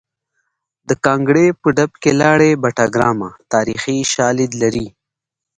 د ګانګړې په ډب کې لاړې بټه ګرامه تاریخي شالید لري